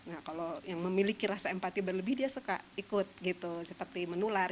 nah kalau yang memiliki rasa empati berlebih dia suka ikut gitu seperti menular